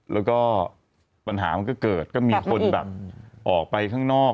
แล้วก็ปัญหามันก็เกิดก็มีคนแบบออกไปข้างนอก